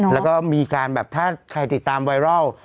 แล้วก็มีการแบบถ้าใครติดตามไวรัล